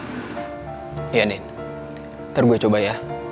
semoga aja gue dapat info yang berguna buat kalian